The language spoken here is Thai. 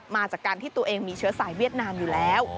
มาจากการที่ตัวเองมีเชื้อสายเวียดนามอยู่แล้ว